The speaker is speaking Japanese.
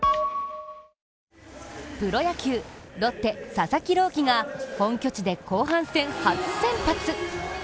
プロ野球、ロッテ・佐々木朗希が本拠地で後半戦初先発。